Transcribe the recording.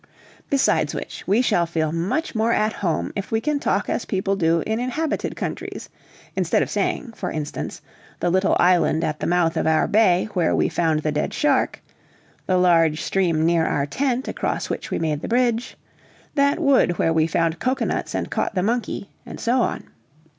Beside which, we shall feel much more at home if we can talk as people do in inhabited countries: instead of saying, for instance, 'the little island at the mouth of our bay, where we found the dead shark,' 'the large stream near our tent, across which we made the bridge,' 'that wood where we found cocoanuts, and caught the monkey,' and so on.